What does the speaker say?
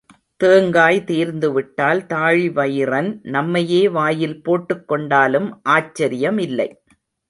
தேங்காய் தீர்ந்துவிட்டால் தாழிவயிறன் நம்மையே வாயில் போட்டுக்கொண்டாலும் ஆச்சரியமில்லை.